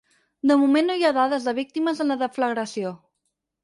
De moment no hi ha dades de víctimes en la deflagració.